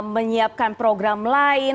menyiapkan program lain